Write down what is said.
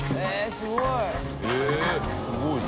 すごいね。